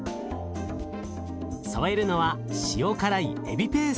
添えるのは塩辛いエビペースト。